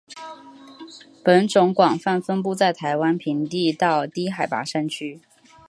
本种广泛分布在台湾平地到低海拔山区。